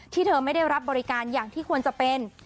เธอไม่ได้รับบริการอย่างที่ควรจะเป็น